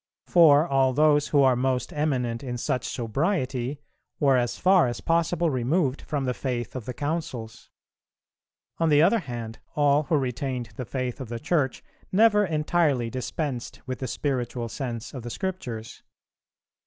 For all those who are most eminent in such sobriety were as far as possible removed from the faith of the Councils. .... On the other hand, all who retained the faith of the Church never entirely dispensed with the spiritual sense of the Scriptures.